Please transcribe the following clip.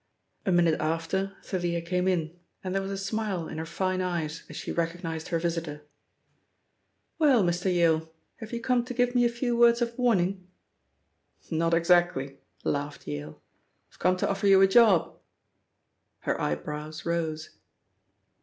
A minute after Thalia came in, and there was a smile in her fine eyes as she recognised her visitor. "Well, Mr. Yale, have you come to give me a few words of warning?" "Not exactly," laughed Yale. "I've come to offer you a job." Her eyebrows rose.